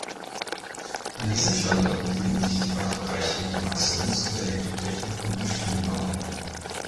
An diesem Standort befinden sich die Fachbereiche Informations- und Elektrotechnik und Maschinenbau.